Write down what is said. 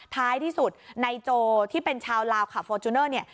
ท้ายที่สุดในโจที่เป็นชาวลาวขับฟอร์จูเนอร์เนี่ย